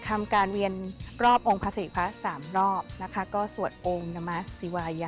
ทำการเวียนรอบองค์พระศิคะสามรอบนะคะก็สวดองค์นมศิวารัยะ